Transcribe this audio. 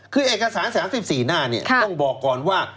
คือเอกสาร๓๔หน้าเนี่ยต้องบอกก่อนว่า